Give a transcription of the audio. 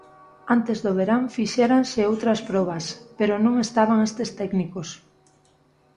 Antes do verán fixéranse outras probas, pero non estaban estes técnicos.